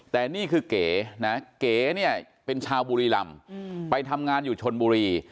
แต่นี่คือเก๋นะเก๋เนี่ยเป็นชาวบุรีรำไปทำงานอยู่ชนบุรี